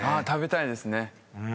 食べたいですね。